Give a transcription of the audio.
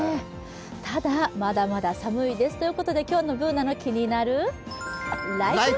ただ、まだまだ寒いですということで、今日の「ＢｏｏｎａのキニナルＬＩＦＥ」。